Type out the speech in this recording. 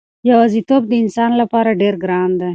یوازېتوب د انسان لپاره ډېر ګران دی.